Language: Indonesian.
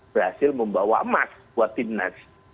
berhasil membawa emas buat tim nas